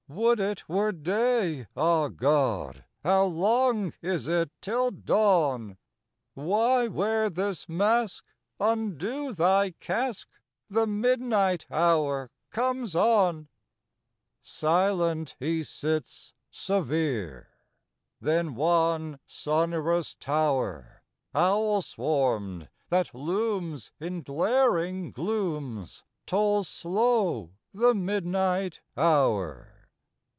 "Would it were day, ah God! How long is it till dawn? Why wear this mask? Undo thy casque! The midnight hour comes on!" Silent he sits, severe; Then one sonorous tower, Owl swarmed, that looms in glaring glooms, Tolls slow the midnight hour.